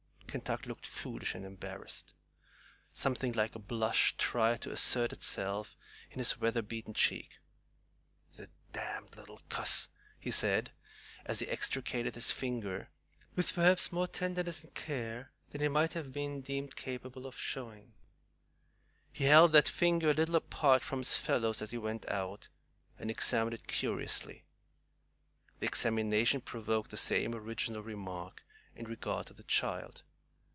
Kentuck looked foolish and embarrassed. Something like a blush tried to assert itself in his weather beaten cheek. "The damned little cuss!" he said, as he extricated his finger, with perhaps more tenderness and care than he might have been deemed capable of showing. He held that finger a little apart from its fellows as he went out, and examined it curiously. The examination provoked the same original remark in regard to the child.